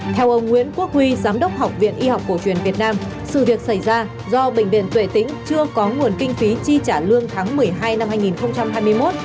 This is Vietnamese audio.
theo ông nguyễn quốc huy giám đốc học viện y học cổ truyền việt nam sự việc xảy ra do bệnh viện tuệ tĩnh chưa có nguồn kinh phí chi trả lương tháng một mươi hai năm hai nghìn hai mươi một